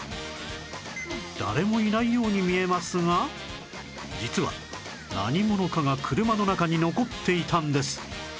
誰もいないように見えますが実は何者かが車の中に残っていたんです